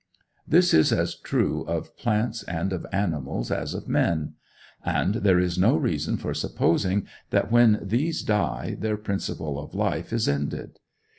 This is as true of plants and of animals as of men; and there is no reason for supposing that when these die their principle of life is ended.